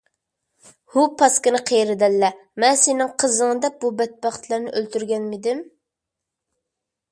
ھۇ پاسكىنا قېرى دەللە! مەن سېنىڭ قىزىڭنى دەپ بۇ بەتبەختلەرنى ئۆلتۈرگەنمىدىم؟